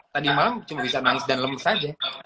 tadi malam cuma bisa nangis dan lemis aja